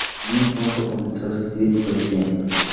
Muy pronto comenzó a escribir poesía.